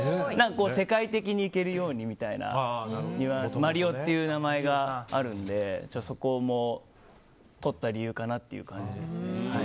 世界的に行けるようにみたいなニュアンス麻璃央という名前があるのでそこもとった理由かなという感じですね。